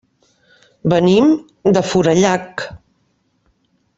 Venim de Forallac.